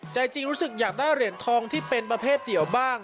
ใจจริงรู้สึกอยากได้เหรียญทองที่เป็นประเภทเดี่ยวบ้าง